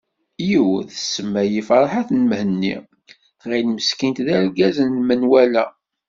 Yiwet tsemma-yi ferḥat Mhenni tɣil meskint d argaz n menwala.